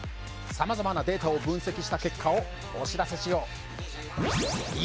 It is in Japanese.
さまざまなデータを分析した結果をお知らせしよう。